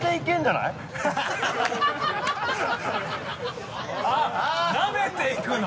なめていくの？